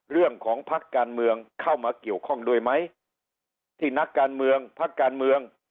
เรื่องของภาคการเมืองเข้ามาเกี่ยวข้องด้วยไหมที่นักการเมืองภาคการเมือง